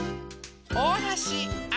おおはしあ